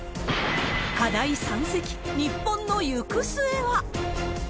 課題山積、日本の行く末は？